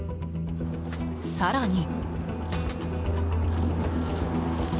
更に。